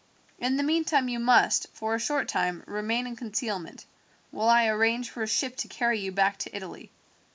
"In the meantime you must, for a short time, remain in concealment, while I arrange for a ship to carry you back to Italy."